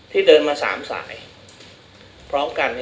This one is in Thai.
เดินมา๓สายพร้อมกัน